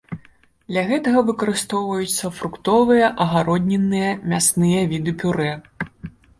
Для гэтага выкарыстоўваюцца фруктовыя, агароднінныя, мясныя віды пюрэ.